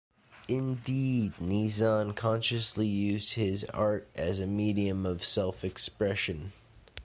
Indeed, Ni Zan consciously used his art as a medium of self-expression.